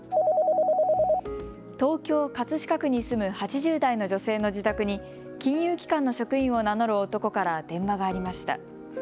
東京・葛飾区に住む８０代の女性の自宅に金融機関の職員を名乗る男から電話がありました。